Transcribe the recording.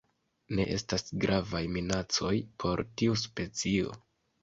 Ne estas gravaj minacoj por tiu specio.